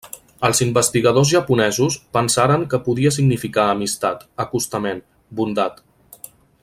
Els investigadors japonesos pensaren que podia significar amistat, acostament, bondat.